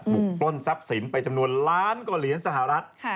ปล้นทรัพย์สินไปจำนวนล้านกว่าเหรียญสหรัฐ